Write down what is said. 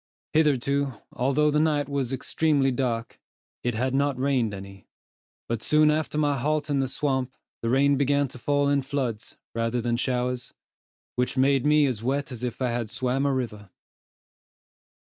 Hitherto, although the night was so extremely dark, it had not rained any, but soon after my halt in the swamp the rain began to fall in floods, rather than in showers, which made me as wet as if I had swam a river.